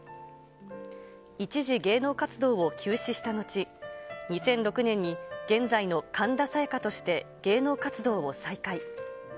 一時芸能活動を休止した後、２００６年に現在の神田沙也加として芸能活動を再開。